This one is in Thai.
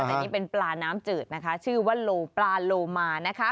แต่นี่เป็นปลาน้ำจืดนะคะชื่อว่าโลปลาโลมานะคะ